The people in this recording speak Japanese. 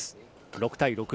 ６対６。